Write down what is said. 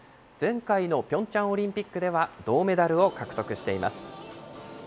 前回のピョンチャンオリンピックでは銅メダルを獲得しています。